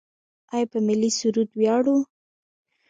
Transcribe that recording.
آیا په ملي سرود ویاړو؟